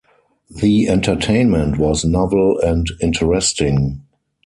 The entertainment was novel and interesting.